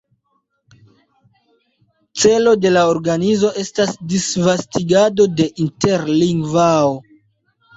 Celo de la organizo estas disvastigado de interlingvao.